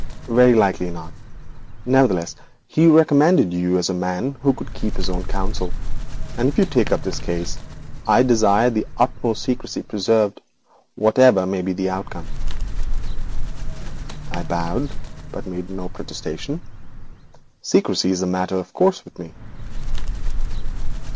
'Very likely not. Nevertheless, he recommended you as a man who could keep his own counsel, and if you take up this case I desire the utmost secrecy preserved, whatever may be the outcome.' I bowed, but made no protestation. Secrecy is a matter of course with me.